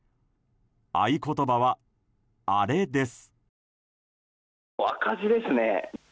合言葉は「アレ」です。